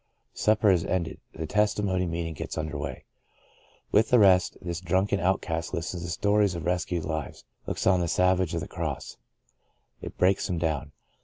Supper is ended. The testimony meeting gets under way. With the rest, this drunken outcast listens to stories of rescued lives — looks on the salvage of the Cross. It breaks him down.